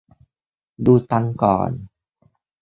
ดูตังค์ก่อน